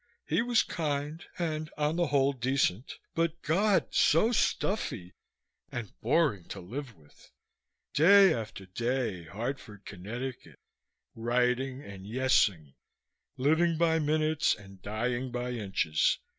He was kind, and on the whole, decent, but God! so stuffy and boring to live with. Day after day, Hartford, Connecticut, writing and yessing, living by minutes and dying by inches.